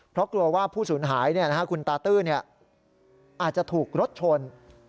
เพราะกลัวว่าผู้สูญหายคุณตาตื้ออาจจะถูกรถชน